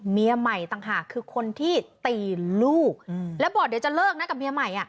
เมียใหม่ต่างหากคือคนที่ตีลูกแล้วบอกเดี๋ยวจะเลิกนะกับเมียใหม่